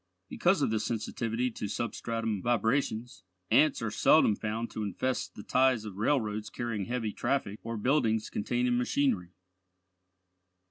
Because of this sensitivity to substratum vibrations, ants are seldom found to infest the ties of railroads carrying heavy traffic, or buildings containing machinery.